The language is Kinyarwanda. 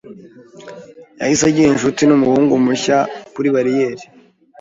Yahise agira inshuti numuhungu mushya kuri bariyeri.